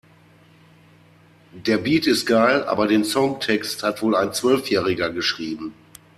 Der Beat ist geil, aber den Songtext hat wohl ein Zwölfjähriger geschrieben.